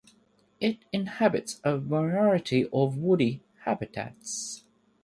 It inhabits a variety of woody habitats.